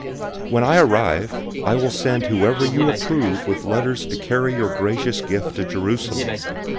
016:003 When I arrive, I will send whoever you approve with letters to carry your gracious gift to Jerusalem.